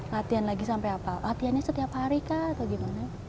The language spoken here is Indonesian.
latihan lagi sampai apa latihannya setiap hari kah atau gimana